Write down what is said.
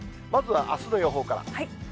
まずは、あすの予報から。